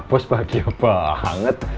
pak bos bahagia banget